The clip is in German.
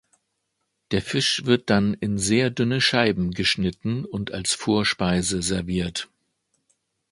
Der Fisch wird dann in sehr dünne Scheiben geschnitten und als Vorspeise serviert.